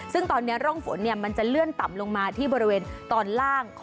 ซึ่งตอนนี้ร่องฝนมันจะเลื่อนต่ำลงมาที่บริเวณตอนล่าง